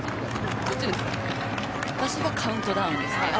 私はカウントダウンですね。